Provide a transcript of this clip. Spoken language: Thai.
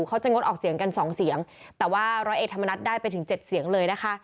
งดออกเสียงกันสองเสียงแต่ว่าร้อยเอกธรรมนัฐได้ไปถึงเจ็ดเสียงเลยนะคะ